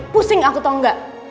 pusing aku tau gak